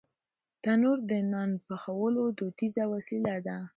تنور د نان پخولو دودیزه وسیله ده